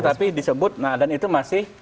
tapi disebut nah dan itu masih